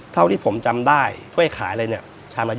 เท่าที่ผมจำได้ถ้วยขายเลยเนี่ยใช้มา๒๐บาท